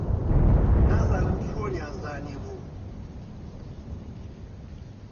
نازانم چۆنیان زانیبوو.